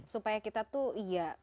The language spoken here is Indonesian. supaya kita tuh ya